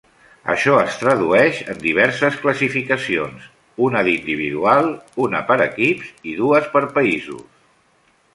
Això es tradueix en diverses classificacions: una d'individual, una per equips i dues per països.